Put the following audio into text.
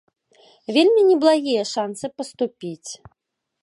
Вельмі неблагія шанцы паступіць!